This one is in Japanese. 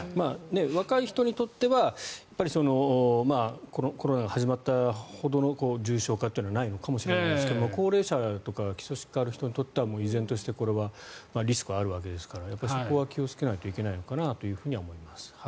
若い人にとってはコロナが始まった時ほどの重症化というのはないのかもしれませんが高齢者とか基礎疾患がある人にとっては依然としてこれはリスクはあるわけですからそこは気をつけないといけないのかなと思います。